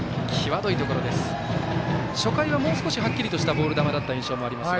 初回はもう少し、はっきりとしたボール球だったように思いますが。